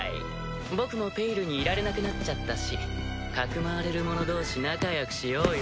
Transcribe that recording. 僕も「ペイル」にいられなくなっちゃったしかくまわれる者同士仲よくしようよ。